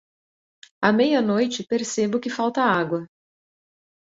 À meia-noite percebo que falta água.